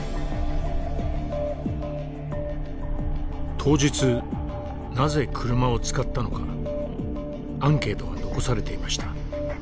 当日なぜ車を使ったのかアンケートが残されていました。